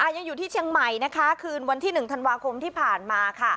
ยังอยู่ที่เชียงใหม่นะคะคืนวันที่๑ธันวาคมที่ผ่านมาค่ะ